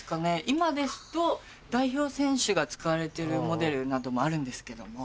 今ですと代表選手が使われてるモデルなどもあるんですけども。